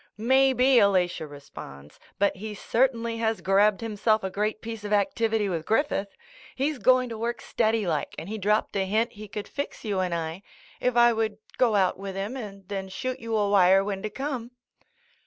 "Maybe," Alatia responds, "but he cer tainly has grabbed himself a great piece of activity with Griffith. He's going to work steady like and he dropped a hint he could fix you and I, if I would go out with him and then shoot you a wire when to come."